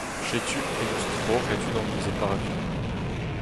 Setu em eus troc’het unan eus e bavioù.